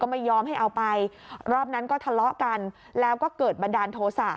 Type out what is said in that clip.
ไม่ยอมให้เอาไปรอบนั้นก็ทะเลาะกันแล้วก็เกิดบันดาลโทษะ